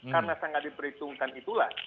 karena sangat diperhitungkan itulah